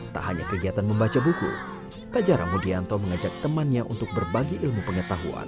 tak hanya kegiatan membaca buku tajara mudianto mengajak temannya untuk berbagi ilmu pengetahuan